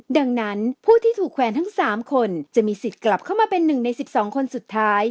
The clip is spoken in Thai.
ดังนั้นผู้ที่ถูกแขวนทั้ง๓คนจะมีสิทธิ์กลับเข้ามาเป็น๑ใน๑๒คนสุดท้าย